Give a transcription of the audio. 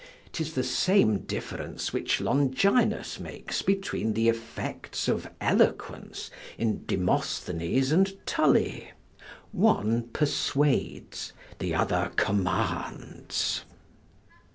'Tis the same difference which Longinus makes betwixt the effects of eloquence in Demosthenes and Tully. One persuades; the other commands.